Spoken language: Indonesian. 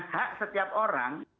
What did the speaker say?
hak setiap orang